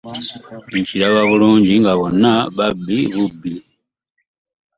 Nkiraba bulabi nga bonna babbi bubbi.